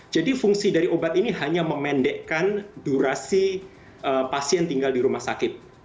jadi fungsi dari obat ini hanya memendekkan durasi pasien tinggal di rumah sakit